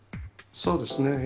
そうですね。